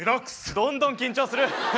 どんどん緊張する！